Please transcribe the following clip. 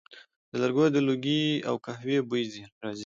د لرګیو د لوګي او قهوې بوی راځي